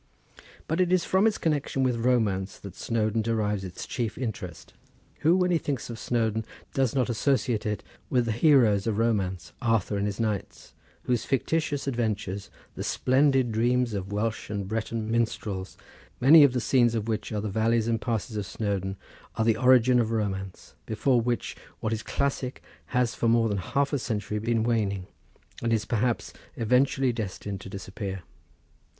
But it is from its connection with romance that Snowdon derives its chief interest. Who when he thinks of Snowdon does not associate it with the heroes of romance, Arthur and his knights? whose fictitious adventures, the splendid dreams of Welsh and Breton minstrels, many of the scenes of which are the valleys and passes of Snowdon, are the origin of romance, before which what is classic has for more than half a century been waning, and is perhaps eventually destined to disappear.